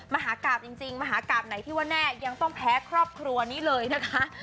มหากราบจริงมหากราบไหนที่ว่าแน่ยังต้องแพ้ครอบครัวนี้เลยนะคะ